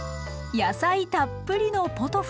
野菜たっぷりのポトフです。